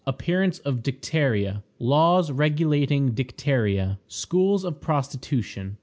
Appearance of Dicteria. Laws regulating Dicteria. Schools of Prostitution.